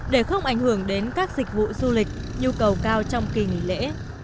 để không ảnh hưởng đến các dịch vụ du lịch nhu cầu cao trong kỳ nghỉ lễ